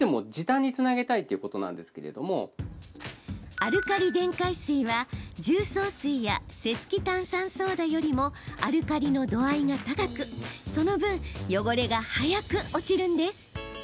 アルカリ電解水は重曹水やセスキ炭酸ソーダよりもアルカリの度合いが高くその分、汚れが早く落ちるんです。